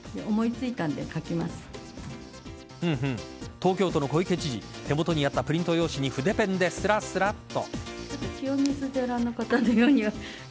東京都の小池知事手元にあったプリント用紙に筆ペンでスラスラっと。